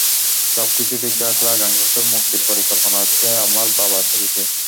সবকিছু ঠিক থাকলে আগামী বছরই মুক্তির পরিকল্পনা আছে আমার বাবা ছবিটি।